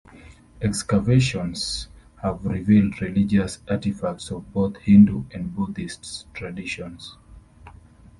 Excavations have revealed religious artifacts of both Hindu and Buddhist traditions.